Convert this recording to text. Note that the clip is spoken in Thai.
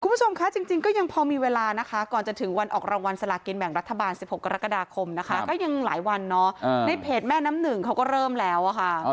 คุณผู้ชมคะจริงก็ยังพอมีเวลานะคะก่อนจะถึงวันออกรางวัลสลากินแบ่งรัฐบาล๑๖กรกฎาคมนะคะก็ยังหลายวันเนาะในเพจแม่น้ำหนึ่งเขาก็เริ่มแล้วอะค่ะ